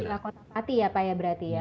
aman berlakon apati ya pak ya berarti ya